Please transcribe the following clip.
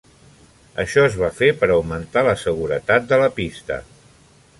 Això es va fer per augmentar la seguretat de la pista.